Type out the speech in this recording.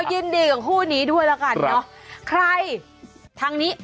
ยินดีกับคู่นี้ด้วยละกันนะ